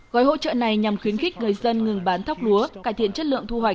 gói hỗ trợ này nhằm khuyến khích người dân ngừng bán thóc lúa cải thiện chất lượng thu hoạch